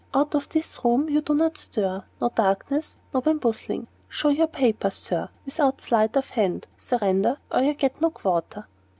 Out of this room you do not stir; no darkness no bamboozling! Show your papers, Sir, without sleight of hand. Surrender, or you get no quarter."